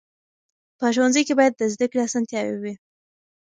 په ښوونځي کې باید د زده کړې اسانتیاوې وي.